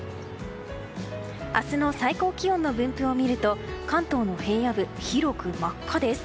明日の最高気温の分布をみると関東の平野部広く真っ赤です。